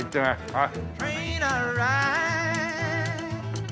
はい。